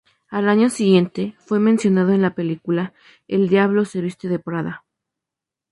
Al año siguiente, fue mencionado en la película "El diablo se viste de Prada".